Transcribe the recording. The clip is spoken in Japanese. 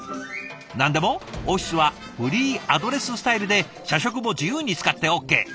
何でもオフィスはフリーアドレススタイルで社食も自由に使ってＯＫ。